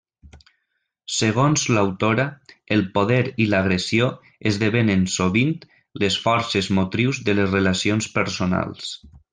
Segons l'autora, el poder i l'agressió esdevenen sovint les forces motrius de les relacions personals.